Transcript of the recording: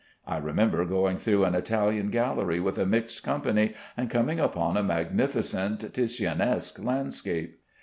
I remember going through an Italian gallery with a mixed company, and coming upon a magnificent Titianesque landscape.